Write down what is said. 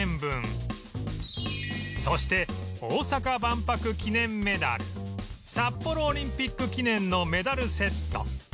そして大阪万博記念メダル札幌オリンピック記念のメダルセット